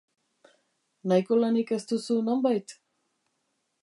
Nahiko lanik ez duzu, nonbait?